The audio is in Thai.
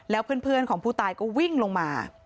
แล้วเพื่อนของผู้ตายก็วิ่งลงมา